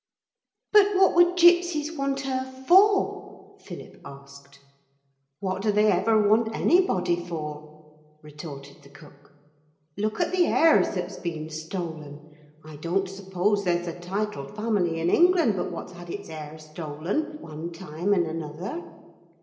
'But what would gipsies want her for?' Philip asked. 'What do they ever want anybody for?' retorted the cook. 'Look at the heirs that's been stolen. I don't suppose there's a titled family in England but what's had its heir stolen, one time and another.'